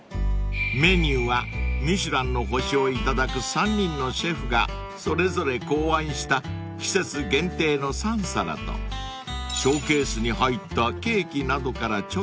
［メニューは『ミシュラン』の星を頂く３人のシェフがそれぞれ考案した季節限定の３皿とショーケースに入ったケーキなどからチョイス］